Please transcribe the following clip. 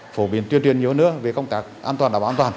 phổ biến tuyên truyền nhiều hơn nữa về công tác an toàn đảm bảo an toàn